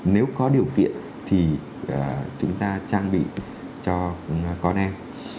nếu có điều kiện thì chúng ta trang bị cho con em